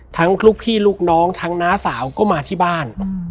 ลูกพี่ลูกน้องทั้งน้าสาวก็มาที่บ้าน